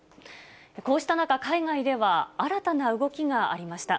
こうした中、海外では新たな動きがありました。